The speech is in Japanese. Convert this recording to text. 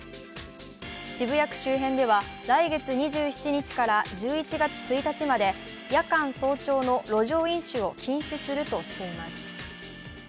渋谷区周辺では、来月２７日から１１月１日まで夜間・早朝の路上飲酒を禁止するとしています。